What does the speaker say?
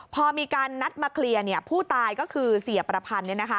พอมีการนัดมาเคลียร์ผู้ตายก็คือเสียประพันธ์